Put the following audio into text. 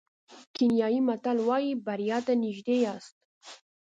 کینیايي متل وایي بریا ته نژدې یاست.